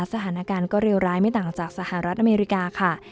สถานการณ์ก็เลวร้ายไม่ต่างจากสหรัฐอเมริกาค่ะ